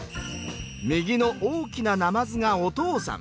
右の大きななまずがお父さん。